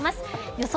予想